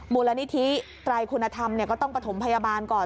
มูลนิธิไตรคุณธรรมก็ต้องประถมพยาบาลก่อน